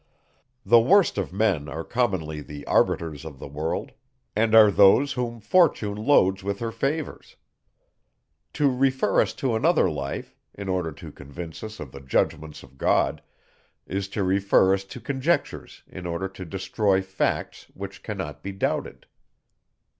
The worst of men are commonly the arbiters of the world, and are those whom fortune loads with her favours. To refer us to another life, in order to convince us of the judgments of God, is to refer us to conjectures, in order to destroy facts, which cannot be doubted.